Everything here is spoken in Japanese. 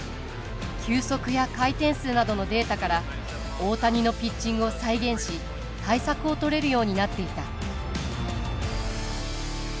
球速や回転数などのデータから大谷のピッチングを再現し対策を取れるようになっていた。